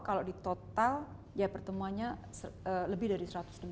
kalau di total ya pertemuannya lebih dari satu ratus dua puluh